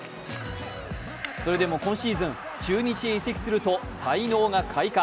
それでも今シーズン、中日へ移籍すると才能が開花。